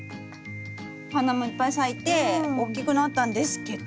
お花もいっぱい咲いて大きくなったんですけど。